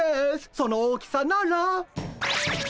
その大きさなら。